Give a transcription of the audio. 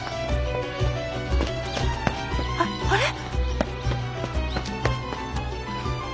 あっあれ？